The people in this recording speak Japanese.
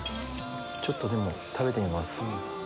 ちょっと食べてみます。